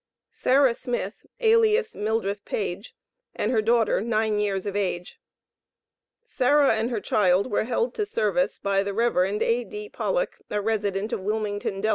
SARAH SMITH, alias MILDRETH PAGE, and her daughter, nine years of age. Sarah and her child were held to service by the Rev. A.D. Pollock, a resident of Wilmington, Del.